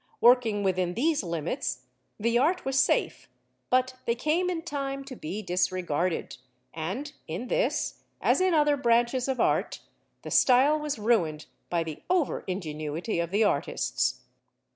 Working within these limits, the art was safe; but they came in time to be disregarded, and in this, as in other branches of art, the style was ruined by the over ingenuity of the artists.